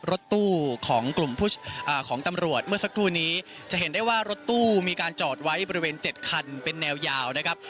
รถตู้ของกลุ่มของตำรวจเมื่อสักครู่นี้จะเห็นได้ว่ารถตู้มีการจอดไว้บริเวณ๗คันเป็นแนวยาวนะครับ